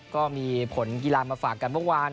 ก็มีผลกีฬามาฝากกันเมื่อวาน